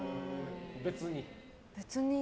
別に？